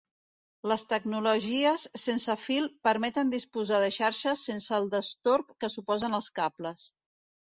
Les tecnologies sense fil permeten disposar de xarxes sense el destorb que suposen els cables.